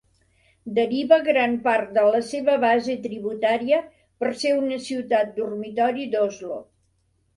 Deriva gran part de la seva base tributària per ser una ciutat dormitori d'Oslo.